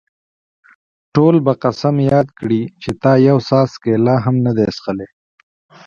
ټول به قسم یاد کړي چې تا یو څاڅکی لا هم نه دی څښلی.